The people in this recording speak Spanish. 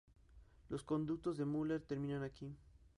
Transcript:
Los conductos de Müller terminan aquí.